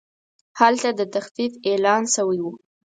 هلته د تخفیف اعلان شوی و.